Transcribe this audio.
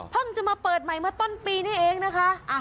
จะมาเปิดใหม่เมื่อต้นปีนี้เองนะคะ